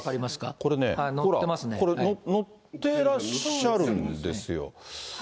これ、乗ってらっしゃるんですよ。